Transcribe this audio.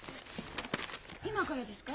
今からですか？